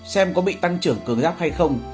xem có bị tăng trưởng cường giáp hay không